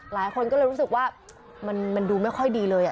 หลายคนก็เลยรู้สึกว่ามันดูไม่ค่อยดีเลย